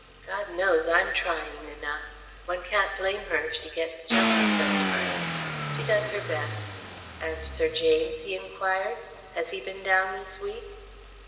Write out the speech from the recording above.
God knows I'm trying enough! One can't blame her if she gets jumpy sometimes. She does her best." "And Sir James," he enquired; "has he been down this week?"